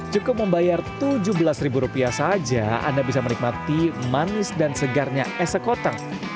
cukup membayar tujuh belas saja anda bisa menikmati manis dan segarnya es sekoteng